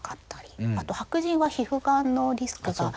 あと白人は皮膚がんのリスクが。